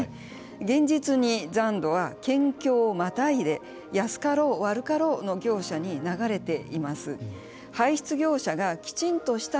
現実に残土は県境をまたいで安かろう悪かろうの業者に流れています。